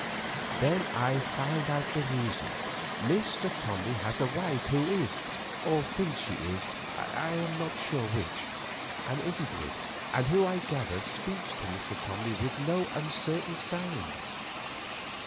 "Then I found out the reason. Mr. Tomley has a wife who is, or thinks she is—I am not sure which—an invalid, and who, I gather, speaks to Mr. Tomley with no uncertain sound.